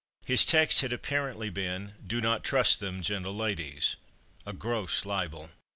His text had apparently been "Do not trust them, gentle ladies." A gross libel.